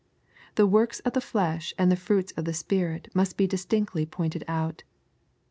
The works of the flesh and the fruits of the Spirit must be distinctly pointed out.